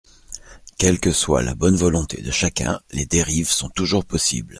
Quelle que soit la bonne volonté de chacun, les dérives sont toujours possibles.